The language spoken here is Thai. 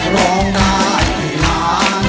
ร้องได้ให้ล้าน